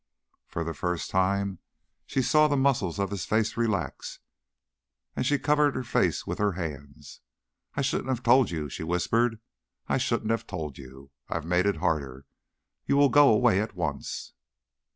For the first time she saw the muscles of his face relax, and she covered her face with her hands. "I shouldn't have told you," she whispered, "I shouldn't have told you. I have made it harder. You will go away at once."